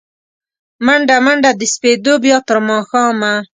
مڼډه، منډه د سپېدو، بیا تر ماښامه